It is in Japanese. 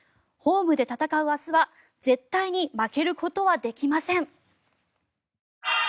ホームで戦う明日は絶対に負けることはできません。